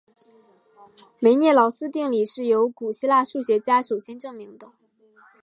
梅涅劳斯定理是由古希腊数学家首先证明的。